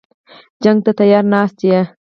جنګ ته تیار یاست.